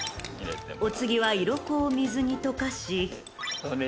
［お次は色粉を水に溶かし］